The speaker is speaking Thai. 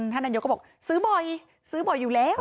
ท่านนายกก็บอกซื้อบ่อยซื้อบ่อยอยู่แล้ว